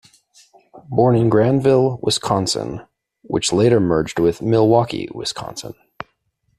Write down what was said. Born in Granville, Wisconsin which later merged with Milwaukee, Wisconsin.